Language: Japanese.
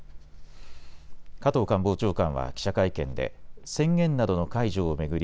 加藤官房長官は記者会見で宣言などの解除を巡り